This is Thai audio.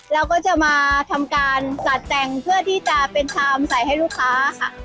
แล้วก็จะมาทำการสัดแต่งเพื่อที่จะเป็นชามใส่ให้ลูกค้าค่ะ